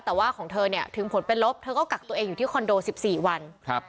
แต่ว่าของเธอเนี่ยถึงผลเป็นลบเธอก็กักตัวเองอยู่ที่คอนโด๑๔วัน